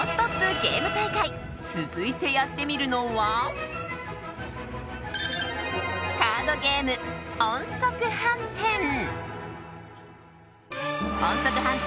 ゲーム大会続いてやってみるのはカードゲーム、音速飯店。